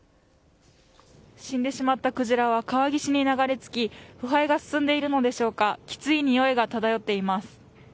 死んでしまったクジラは川岸に流れ着き、腐敗が進んでいるのでしょうか、きつい臭いが漂っています。